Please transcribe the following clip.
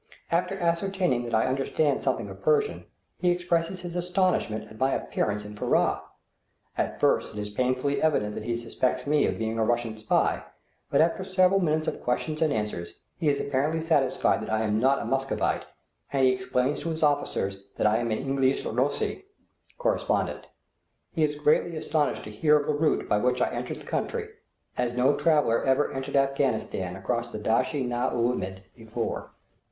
After ascertaining that I understand something of Persian, he expresses his astonishment at my appearance in Furrah. At first it is painfully evident that he suspects me of being a Russian spy; but after several minutes of questions and answers, he is apparently satisfied that I am not a Muscovite, and he explains to his officers that I am an "Ingilis nockshi" (correspondent). He is greatly astonished to hear of the route by which I entered the country, as no traveller ever entered Afghanistan across the Dasht i na oomid before.